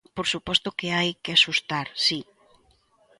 Por suposto que hai que axustar, si.